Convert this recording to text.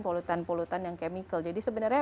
polutan polutan yang chemical jadi sebenarnya